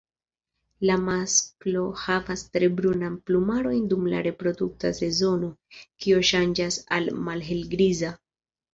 La masklo havas tre brunan plumaron dum la reprodukta sezono, kio ŝanĝas al malhelgriza.